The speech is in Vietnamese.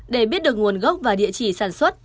để biết được nguồn gốc và địa chỉ sản xuất